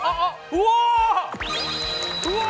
うわ！